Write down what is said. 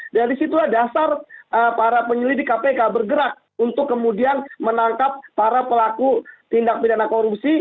dari situlah dasar para penyelidik kpk bergerak untuk kemudian menangkap para pelaku tindak pidana korupsi